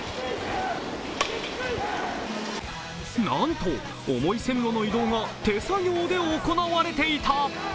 なんと重い線路の移動が手作業で行われていた。